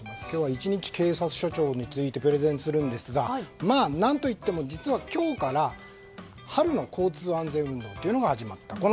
今日は一日警察署長についてプレゼンするんですが何といっても実は今日から春の交通安全運動が始まった。